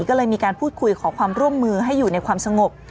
ก็เลยมีการพูดคุยขอความร่วมมือให้อยู่ในความสงบ